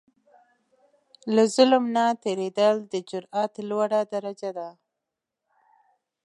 له ظلم نه تېرېدل، د جرئت لوړه درجه ده.